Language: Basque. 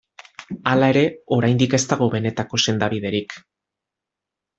Hala ere, oraindik ez dago benetako sendabiderik.